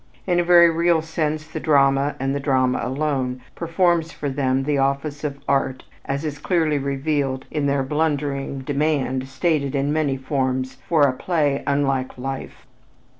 In a very real sense the drama and the drama alone performs for them the office of art as is clearly revealed in their blundering demand stated in many forms for "a play unlike life."